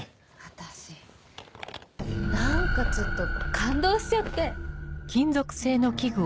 私何かちょっと感動しちゃって。